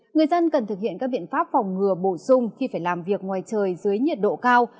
người dân cần thực hiện các biện pháp phòng ngừa bổ sung khi phải làm việc ngoài trời dưới nhiệt độ cao